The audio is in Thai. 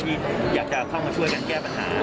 ที่อยากจะเข้ามาช่วยกันแก้ปัญหา